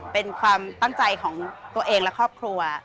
เป็นความตั้งใจของตัวเองและครอบครัว